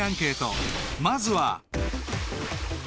［まずは］